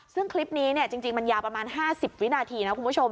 ซึ่งคลิปนี้จริงมันยาวประมาณ๕๐วินาทีนะคุณผู้ชม